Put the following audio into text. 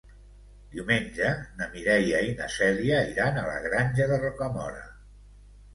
Diumenge na Mireia i na Cèlia iran a la Granja de Rocamora.